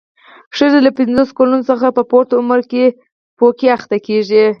ښځې له پنځوسو کلونو څخه په پورته عمر کې پوکي اخته کېږي.